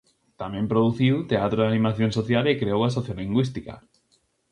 Tamén produciu teatro de animación social e creou a sociolingüística.